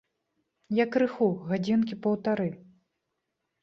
Я крыху, гадзінкі паўтары.